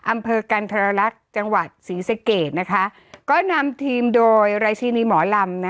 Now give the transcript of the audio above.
อำเภอกันธรรลักษณ์จังหวัดศรีสะเกดนะคะก็นำทีมโดยราชินีหมอลำ